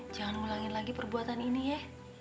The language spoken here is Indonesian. jangan ulangin lagi perbuatan ini ya